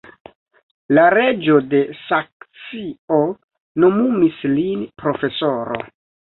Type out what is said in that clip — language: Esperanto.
La reĝo de Saksio nomumis lin profesoro.